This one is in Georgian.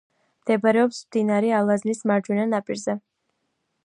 მდებარეობს მდინარე ალაზნის მარჯვენა ნაპირზე.